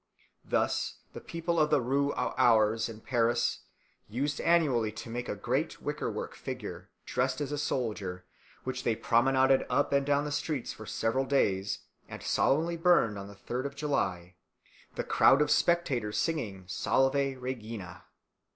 Thus the people of the Rue aux Ours in Paris used annually to make a great wicker work figure, dressed as a soldier, which they promenaded up and down the streets for several days, and solemnly burned on the third of July, the crowd of spectators singing _Salve Regina.